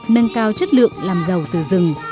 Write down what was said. nâng cao chất lượng làm giàu từ rừng